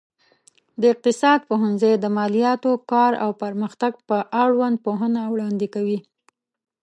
د اقتصاد پوهنځی د مالياتو، کار او پرمختګ په اړوند پوهنه وړاندې کوي.